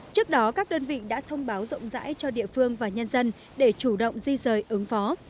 trước đó các đơn vị đã thông báo rộng rãi cho địa phương và nhân dân để chủ động di rời ứng phó